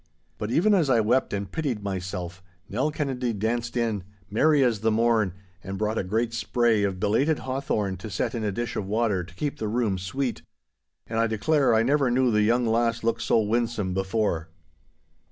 But even as I wept and pitied myself, Nell Kennedy danced in, merry as the morn, and brought a great spray of belated hawthorn to set in a dish of water to keep the room sweet. And I declare I never knew the young lass look so winsome before.